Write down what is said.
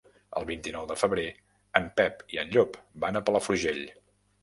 El vint-i-nou de febrer en Pep i en Llop van a Palafrugell.